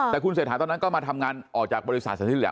แต่คุณเศรษฐาตอนนั้นก็มาทำงานออกจากบริษัทสันทแหละ